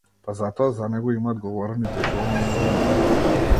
Па затоа за него имаат говорено и пишувано многумина.